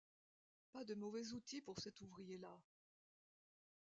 Pas de mauvais outil pour cet ouvrier-là.